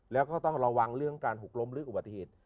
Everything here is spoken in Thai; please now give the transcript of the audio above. แล้วก็ต้องระวังเรื่องการหกล้มหรืออุบัติเหตุ